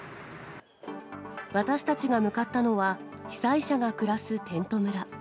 私たちが向かったのは、被災者が暮らすテント村。